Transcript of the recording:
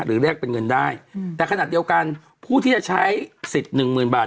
หรือได้แต่ขนาดเดี่ยวกันผู้ที่จะใช้สิทธิ์หนึ่งเมืองบาท